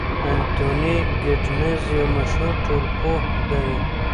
انتوني ګیدنز یو مشهور ټولنپوه دی.